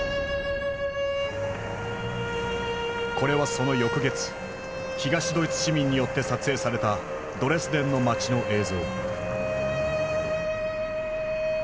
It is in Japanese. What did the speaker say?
これはその翌月東ドイツ市民によって撮影されたドレスデンの街の映像。